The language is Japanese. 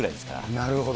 なるほど。